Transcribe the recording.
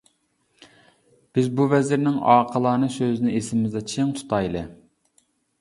بىز بۇ ۋەزىرنىڭ ئاقىلانە سۆزىنى ئېسىمىزدە چىڭ تۇتايلى.